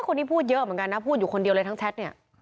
คนนี้พูดเยอะเหมือนกันนะพูดอยู่คนเดียวเลยทั้งแชทเนี่ย